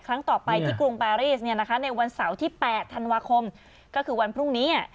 ครั้งต่อไปที่กรุงปารีสเนี่ยนะคะในวันเสาร์ที่๘ธันวาคมก็คือวันพรุ่งนี้